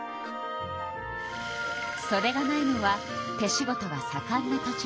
そでがないのは手仕事がさかんな土地ならでは。